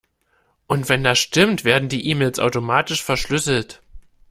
Und wenn das stimmt, werden die E-Mails automatisch verschlüsselt.